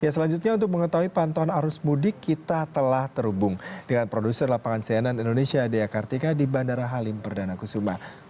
selanjutnya untuk mengetahui pantauan arus mudik kita telah terhubung dengan produser lapangan cnn indonesia dea kartika di bandara halim perdana kusuma